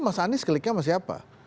mas anies kliknya sama siapa